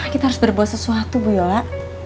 kita harus berbuat sesuatu bu yola